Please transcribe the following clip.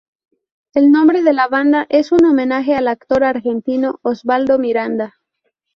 El nombre de la banda es un homenaje al actor argentino Osvaldo Miranda.